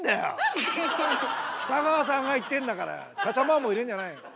北川さんが言ってんだからちゃちゃを入れんじゃないよ。